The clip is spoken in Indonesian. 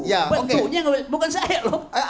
ya oke bukan saya loh